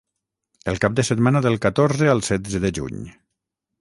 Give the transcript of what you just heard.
El cap de setmana del catorze al setze de Juny.